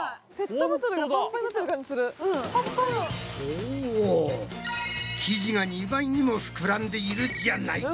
おぉ生地が２倍にも膨らんでいるじゃないか！